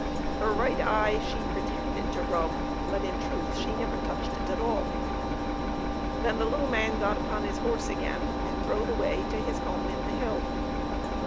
Her right eye she pretend ed to rub, but, in truth, she never touched it at all. Then the little man got upon his horse again, and rode away to his home in the hill.